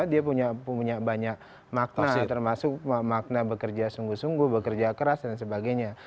dia punya banyak makna termasuk makna bekerja sungguh sungguh bekerja keras dan sebagainya